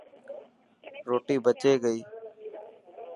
روٽي بچي گئي.